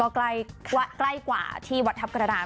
ใกล้กว่าที่วัดทัพกระดาน